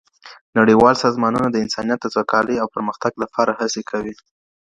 نړیوال سازمانونه د انسانیت د سوکالۍ او پرمختګ لپاره هڅي کوي.